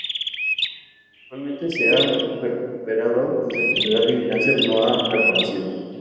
Actualmente, se ha recuperado de su enfermedad y el cáncer no ha reaparecido.